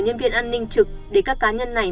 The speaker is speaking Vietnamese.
nhân viên an ninh trực để các cá nhân này